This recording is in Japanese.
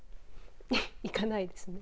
いかないですね。